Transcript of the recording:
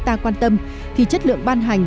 ta quan tâm thì chất lượng ban hành